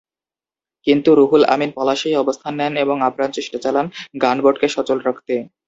কিন্তু রুহুল আমিন পলাশেই অবস্থান নেন এবং আপ্রাণ চেষ্টা চালান গানবোটকে সচল রাখতে।